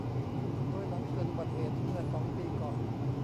โดยหลังเกิดอุบัติเหตุเมื่อสองปีก่อน